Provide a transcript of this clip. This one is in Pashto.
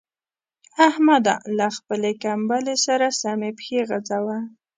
احمده! له خپلې کمبلې سره سمې پښې غځوه.